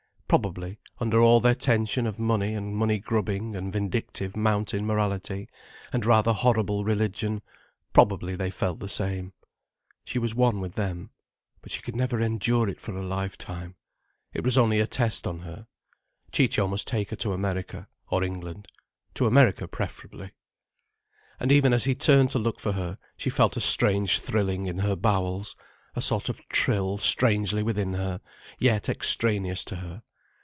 Probably, under all their tension of money and money grubbing and vindictive mountain morality and rather horrible religion, probably they felt the same. She was one with them. But she could never endure it for a life time. It was only a test on her. Ciccio must take her to America, or England—to America preferably. And even as he turned to look for her, she felt a strange thrilling in her bowels: a sort of trill strangely within her, yet extraneous to her.